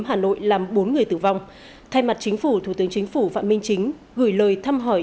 hà nội làm bốn người tử vong thay mặt chính phủ thủ tướng chính phủ phạm minh chính gửi lời thăm hỏi